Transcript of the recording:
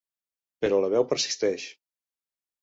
Però la veu persisteix.